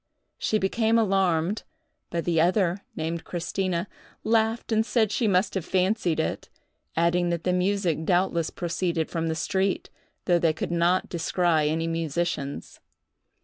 She became alarmed; but the other, named Christina, laughed and said she must have fancied it, adding that the music doubtless proceeded from the street, though they could not descry any musicians.